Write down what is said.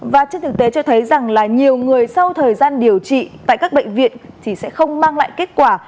và trên thực tế cho thấy rằng là nhiều người sau thời gian điều trị tại các bệnh viện thì sẽ không mang lại kết quả